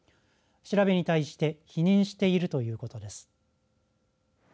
調べに対して否認しているということです。